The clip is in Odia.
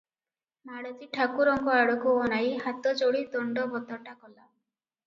ମାଳତୀ ଠାକୁରଙ୍କ ଆଡ଼କୁ ଅନାଇ ହାତଯୋଡ଼ି ଦଣ୍ଡବତଟା କଲା ।